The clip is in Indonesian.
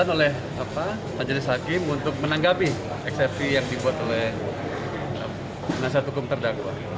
oleh pak jelis hakim untuk menanggapi eksepsi yang dibuat oleh penasihat hukum terdakwa